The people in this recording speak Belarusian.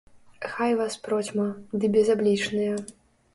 Хай вас процьма, ды безаблічныя.